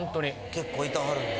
結構いてはるんで。